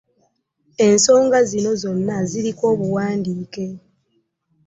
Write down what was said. Ensonga zino zonna ziriko obuwandiike.